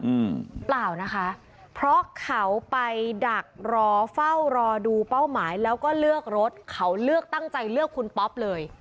เปล่านะคะเพราะเขาไปดักรอเฝ้ารอดูเป้าหมายแล้วก็เลือกรถเขาเลือกตั้งใจเลือกคุณป๊อปเลย